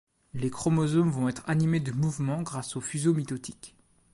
Les chromosomes vont être animés de mouvements grâce au fuseau mitotique.